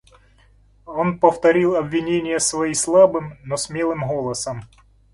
Он повторил обвинения свои слабым, но смелым голосом.